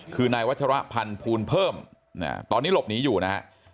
คือนายวัชรพันธ์ภูลเพิ่มตอนนี้หลบหนีอยู่นะฮะ